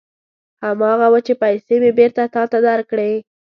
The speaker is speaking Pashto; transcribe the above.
هماغه و چې پېسې مې بېرته تا ته درکړې.